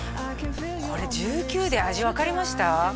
これ１９で味分かりました？